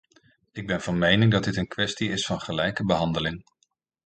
Ik ben van mening dat dit een kwestie is van gelijke behandeling.